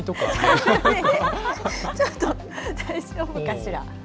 ちょっと大丈夫かしら？